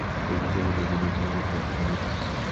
পূর্ণাঙ্গ সভ্যতার জন্য জগৎ অপেক্ষা করিতেছে।